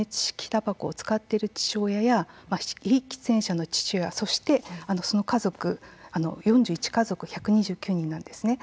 たばこを使っている父親や非喫煙者の父親、そしてその家族４１家族１２９人なんですね。